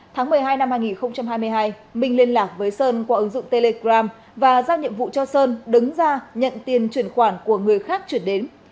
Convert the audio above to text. tháng một mươi hai năm hai nghìn hai mươi hai minh liên lạc với sơn qua ứng dụng telegram và giao nhiệm vụ cho sơn đứng ra nhận tiền chuyển khoản của người khác chuyển đến